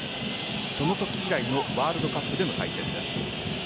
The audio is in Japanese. その時以来のワールドカップでの敗戦です。